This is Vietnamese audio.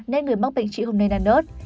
nên người mắc bệnh trĩ không nên ăn ớt